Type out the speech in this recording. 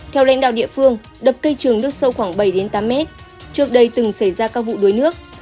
theo lãnh đạo địa phương đập cây trường nước sâu khoảng bảy tám mét trước đây từng xảy ra các vụ đuối nước